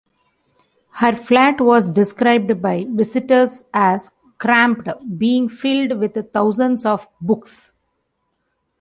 Her flat was described by visitors as cramped, being filled with thousands of books.